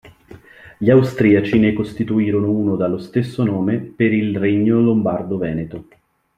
Gli austriaci ne costituirono uno dallo stesso nome pel Regno Lombardo Veneto.